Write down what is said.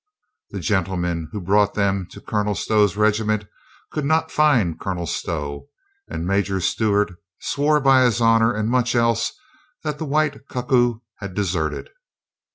The gentleman who brought them to Colonel Stow's regiment could not find Colonel Stow, and Major Stewart swore by his honor and much else that the white cuckoo had de serted.